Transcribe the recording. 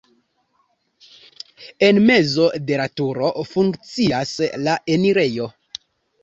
En mezo de la turo funkcias la enirejo.